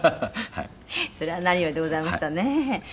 それは何よりでございましたね。